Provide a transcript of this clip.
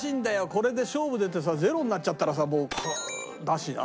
これで勝負出てさゼロになっちゃったらさもうだしな。